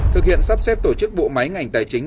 thực hiện sắp xếp tổ chức bộ máy ngành tài chính